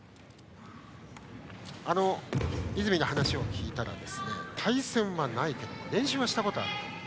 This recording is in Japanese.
泉に話を聞いたら対戦はないけれども練習はしたことがある。